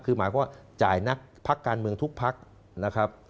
คือหมายความว่าจ่ายนักพักการเมืองทุกพักนะครับ